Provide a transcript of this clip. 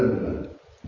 bpjs sudah hutang